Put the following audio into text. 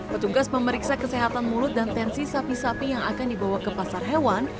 petugas memeriksa kesehatan mulut dan tensi sapi sapi yang akan dibawa ke pasar hewan